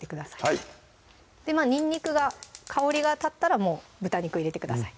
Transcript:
はいにんにくが香りが立ったらもう豚肉を入れてください